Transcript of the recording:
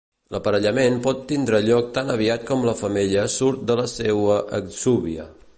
L'aparellament pot tindre lloc tan aviat com la femella surt de la seua exúvia.